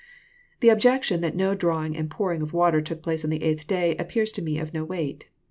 The objection that no drawing and pouring of water took place on the eighth day, appears to me of no weight.